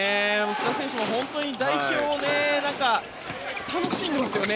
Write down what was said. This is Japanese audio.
須田選手も本当に代表を楽しんでますよね。